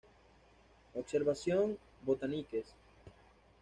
Observations botaniques".